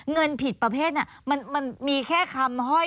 เงินผิดประเภทมันมีแค่คำห้อย